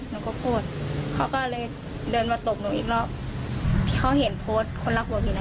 หนูก็พูดเขาก็เลยเดินมาตบหนูอีกรอบเขาเห็นโพสต์คนรักหัวผีน่ะ